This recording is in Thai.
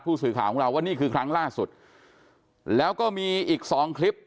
สื่อข่าวของเราว่านี่คือครั้งล่าสุดแล้วก็มีอีกสองคลิป